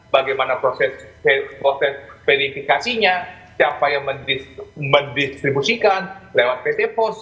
bagaimana proses verifikasinya siapa yang mendistribusikan lewat pt pos